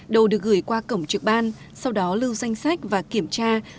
đầu được gửi qua cổng trực ban sau đó lưu danh sách và kiểm tra